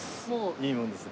いいもんですね。